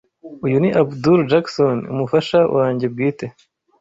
Uyu ni Abdul Jackson, umufasha wanjye bwite.